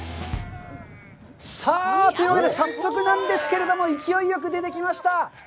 さあ、というわけで、早速なんですけれども、勢いよく出てきました。